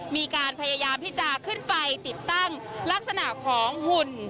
มีการพยายามที่จะขึ้นไปติดตั้งลักษณะของหุ่น